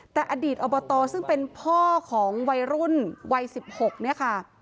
แต่อดีตอบตซึ่งเป็นพ่อของวัยรุ่นวัย๑๖เนี่ยค่ะ